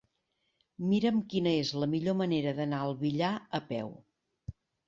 Mira'm quina és la millor manera d'anar al Villar a peu.